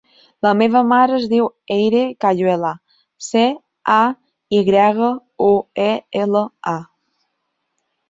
La meva mare es diu Eire Cayuela: ce, a, i grega, u, e, ela, a.